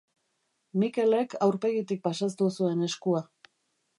Mikelek aurpegitik pasatu zuen eskua.